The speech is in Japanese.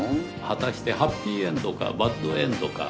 果たしてハッピーエンドかバッドエンドか。